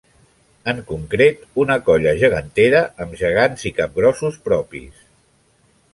En concret, una colla gegantera amb gegants i capgrossos propis.